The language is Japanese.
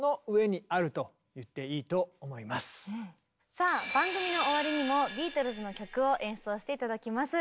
さあ番組の終わりにもビートルズの曲を演奏して頂きます。